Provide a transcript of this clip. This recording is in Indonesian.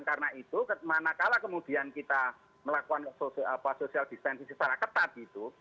karena itu mana kala kemudian kita melakukan social distancing secara ketat gitu